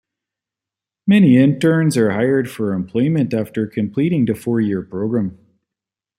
Many interns are hired for employment after completing the four-year program.